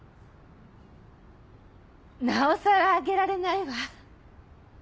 なおさらあげられないわ。